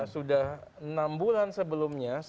sudah enam bulan sebelumnya